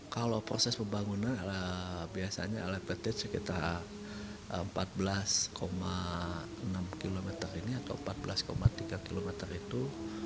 kalau proses pembangunan biasanya oleh pt sekitar empat belas enam km ini atau empat belas tiga km itu